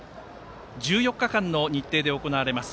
１４日間の日程で行われます。